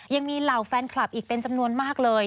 ยังมีเหล่าแฟนคลับอีกเป็นจำนวนมากเลย